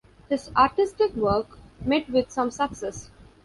His artistic work met with some success.